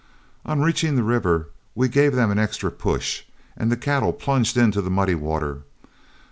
On reaching the river we gave them an extra push, and the cattle plunged into the muddy water.